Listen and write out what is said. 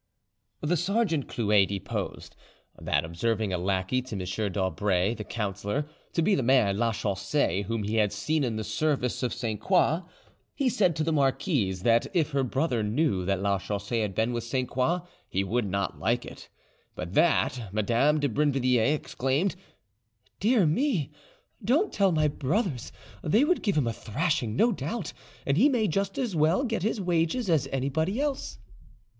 The sergeant Cluet deposed: that, observing a lackey to M. d'Aubray, the councillor, to be the man Lachaussee, whom he had seen in the service of Sainte Croix, he said to the marquise that if her brother knew that Lachaussee had been with Sainte Croix he would not like it, but that Madame de Brinvilliers exclaimed, "Dear me, don't tell my brothers; they would give him a thrashing, no doubt, and he may just as well get his wages as any body else."